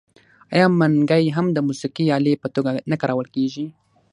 آیا منګی هم د موسیقۍ الې په توګه نه کارول کیږي؟